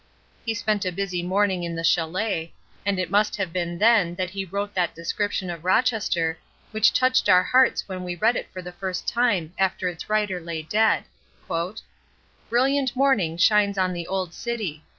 He spent a busy morning in the châlet, and it must have been then that he wrote that description of Rochester, which touched our hearts when we read it for the first time after its writer lay dead: "Brilliant morning shines on the old city.